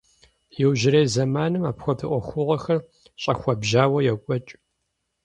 Иужьрей зэманым апхуэдэ ӏуэхугъуэхэр щӏэхуэбжьауэ йокӏуэкӏ.